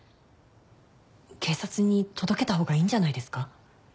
警察に届けた方がいいんじゃないですか？